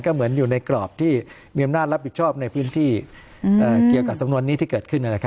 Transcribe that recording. ก็เหมือนอยู่ในกรอบที่มีอำนาจรับผิดชอบในพื้นที่เกี่ยวกับสำนวนนี้ที่เกิดขึ้น